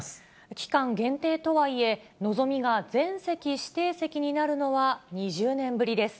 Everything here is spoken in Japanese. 期間限定とはいえ、のぞみが全席指定席になるのは２０年ぶりです。